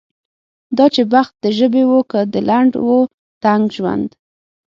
دا چې بخت د ژبې و که د لنډ و تنګ ژوند.